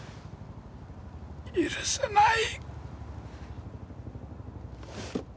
許さない！